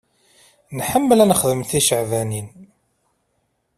Nḥemmel ad nexdem ticeɛbanin.